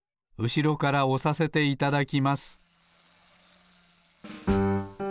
うしろからおさせていただきます